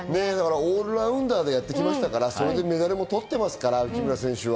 オールラウンダーでやってきて、メダルも取ってますから、内村選手は。